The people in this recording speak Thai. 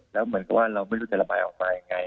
แล้วเหมือนกับว่าเราไม่รู้จะระบายออกมายังไง